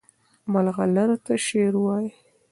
مرغلرو ته شعر وایي.